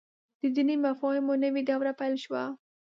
د دیني مفاهیمو نوې دوره پيل شوه.